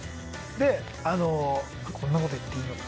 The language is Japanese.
で、こんなこと言っていいのかな。